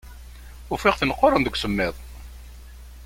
Ufiɣ-ten qquren deg usemmiḍ.